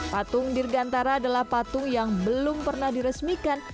patung dirgantara adalah patung yang belum pernah diresmikan